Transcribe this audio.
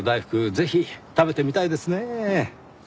ぜひ食べてみたいですねぇ。